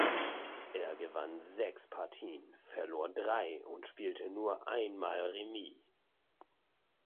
Er gewann sechs Partien, verlor drei und spielte nur einmal remis.